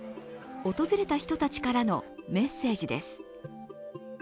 訪れた人たちからのメッセージです。